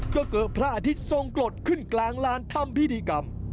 ก็เกิดพระอาทิตย์ทรงกรดขึ้นกลางลานทำพิธีกรรม